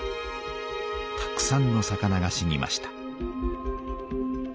たくさんの魚が死にました。